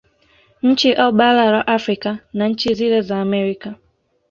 Nchi au bara la Afrika na nchi zile za Amerika